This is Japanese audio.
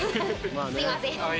すいません。